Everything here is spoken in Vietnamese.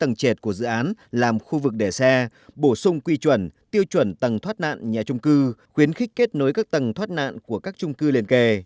tầng trệt của dự án làm khu vực để xe bổ sung quy chuẩn tiêu chuẩn tầng thoát nạn nhà trung cư khuyến khích kết nối các tầng thoát nạn của các trung cư liền kề